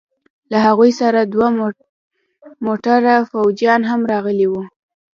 له هغوى سره دوه موټره فوجيان هم راغلي وو.